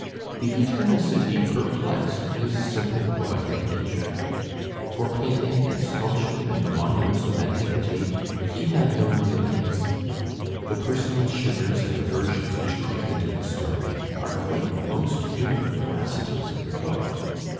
The Eternal City perplexed his simple poetic nature. For painting and sculpture and the monuments of antiquity he had no real taste. The personal shivers and aversions which creep into his story are quite the most human veraci ties in the book.